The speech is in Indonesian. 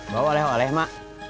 bawa oleh oleh mak